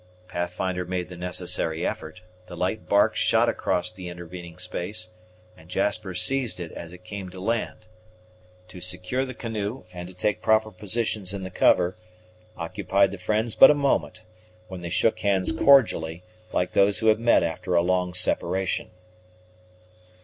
Pathfinder made the necessary effort; the light bark shot across the intervening space, and Jasper seized it as it came to land. To secure the canoe, and to take proper positions in the cover, occupied the friends but a moment, when they shook hands cordially, like those who had met after a long separation.